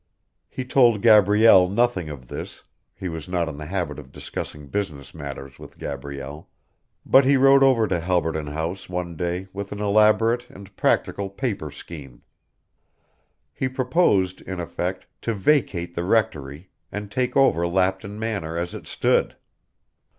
He told Gabrielle nothing of this he was not in the habit of discussing business matters with Gabrielle but he rode over to Halberton House one day with an elaborate and practical paper scheme. He proposed, in effect, to vacate the Rectory, and take over Lapton Manor as it stood.